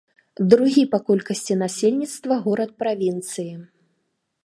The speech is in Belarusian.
Другі па колькасці насельніцтва горад правінцыі.